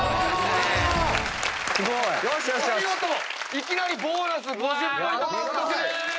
いきなりボーナス５０ポイント獲得でーす！